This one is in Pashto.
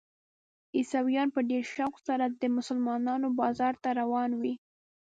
عیسویان په ډېر شوق سره د مسلمانانو بازار ته روان وي.